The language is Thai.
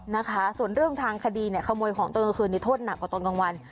นะคะส่วนเรื่องทางคดีเนี่ยขโมยของตอนกลางคืนนี้โทษหนักกว่าตอนกลางวัน